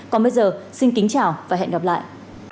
còn bây giờ xin kính chào và hẹn gặp lại